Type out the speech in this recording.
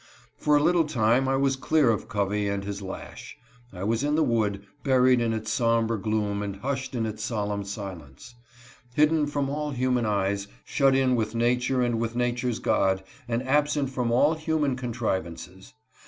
For a little time I was clear of Covey and his lash. I was in the wood, buried in its somber gloom and hushed in its solemn silence ; hidden from all human eyes ; shut in with nature and with nature's God, and absent from all human contrivances.